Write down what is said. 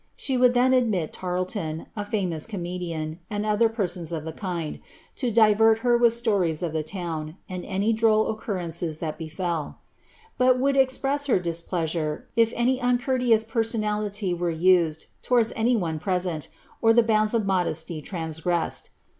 She would then admit Tarleton, a famous comedian, and other persons of the kind, to divert her with stories of the town, and any droll occurrences that befel ; hot would express her displeasure, if any uncourteous personality were used towards any one present, or the bounds of modesty transgressed.